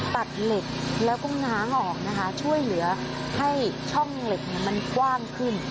ตัดเหล็กแล้วก็ง้างออกนะคะช่วยเหลือให้ช่องเหล็กมันกว้างขึ้น